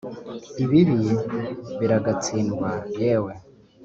ibibi biragatsindwa yewe,